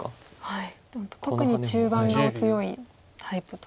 特に中盤がお強いタイプと。